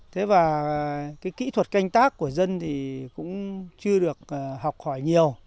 thế và cái kỹ thuật canh tác của dân thì cũng chưa được học hỏi nhiều